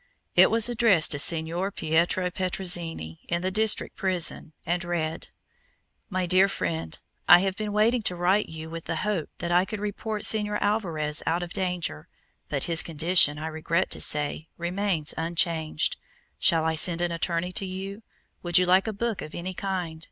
It was addressed to Signor Pietro Petrozinni in the district prison, and read: "My Dear Friend: "I have been waiting to write you with the hope that I could report Señor Alvarez out of danger, but his condition, I regret to say, remains unchanged. Shall I send an attorney to you? Would you like a book of any kind?